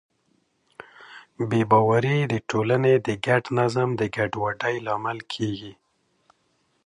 بې باورۍ د ټولنې د ګډ نظم د ګډوډۍ لامل کېږي.